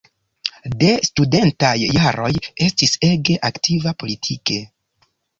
De studentaj jaroj estis ege aktiva politike.